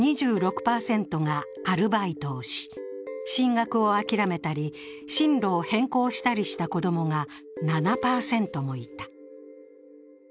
２６％がアルバイトをし、進学を諦めたり、進路を変更したりした子供が７％もいた。